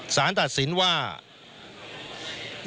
สารตัดสินว่า